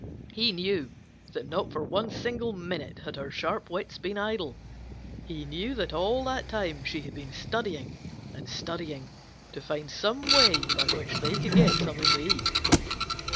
He knew that not for one single minute had her sharp wits been idle. He knew that all that time she had been studying and studying to find some way by which they could get something to eat.